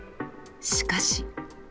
しかし。